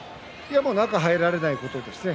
中に入られないことですね。